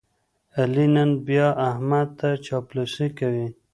علي نن بیا احمد ته چاپلوسي کوي.